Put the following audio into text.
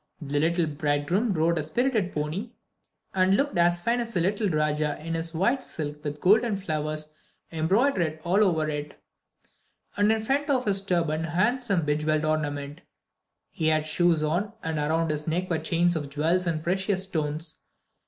The little bridegroom rode a spirited pony, and looked as fine as a little Rajah in his white silk dress with golden flowers embroidered all over it, and in front of his turban a handsome jewelled ornament. He had shoes on, and around his neck were chains of jewels and precious stones.